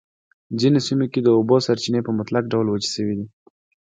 ځینو سیمو کې د اوبو سرچېنې په مطلق ډول وچې شوی دي.